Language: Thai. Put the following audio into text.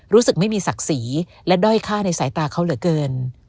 รู้สึกไม่มีศักดิ์ศรีและด้อยค่าในสายตาเขาเหลือเกิน